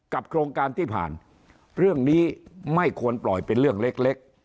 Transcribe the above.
โครงการที่ผ่านเรื่องนี้ไม่ควรปล่อยเป็นเรื่องเล็ก